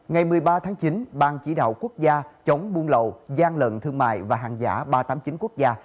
ngày một mươi ba tháng chín ban chỉ đạo quốc gia chống buôn lậu gian lận thương mại và hàng giả ba trăm tám mươi chín quốc gia